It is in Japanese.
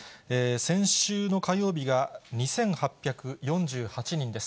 先週の火曜日が２８４８人です。